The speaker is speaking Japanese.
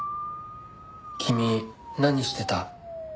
君何してた？